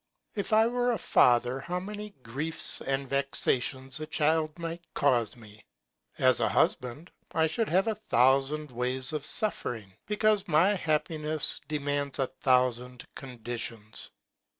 If I were a father 'how many griefs and vexations a child might cause me. As a husband, I should have a thousand ways of suffering, because my happiness demands a thousand' condi tions.